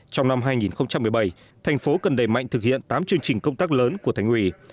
trong năm hai nghìn một mươi bảy thành phố cần đẩy mạnh thực hiện tám chương trình công tác lớn của thành ủy